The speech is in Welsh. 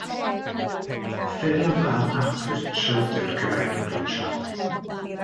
Ffurf ar ap Richard yw'r cyfenw Pritchard.